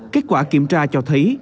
kết quả kiểm tra cho thấy